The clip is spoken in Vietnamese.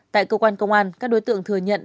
tại cơ quan công an các đối tượng thừa nhận